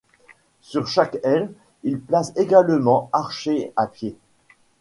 Sur chaque aile, il place également archers à pied.